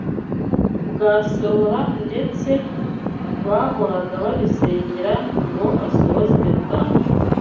bwasohora’ ndetse bahoraga babisengera ngo asohozwe bwangu.